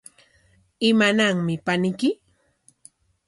¿Imananmi paniyki?